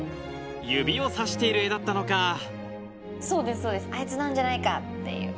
指をさしている絵だったのかそうですそうですアイツなんじゃないかっていう。